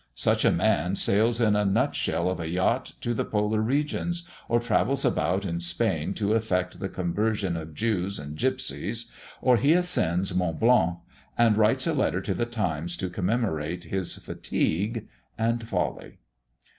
Such a man sails in a nut shell of a yacht to the polar regions, or travels about in Spain to effect the conversion of Jews and gipsies; or he ascends Mont Blanc, and writes a letter to the Times to commemorate his fatigue and folly.